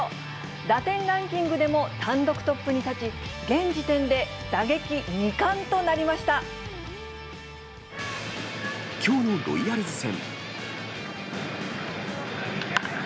打点ランキングでも単独トップに立ち、きょうのロイヤルズ戦。